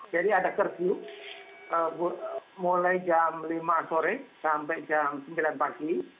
jadi ada kerjur mulai jam lima sore sampai jam sembilan pagi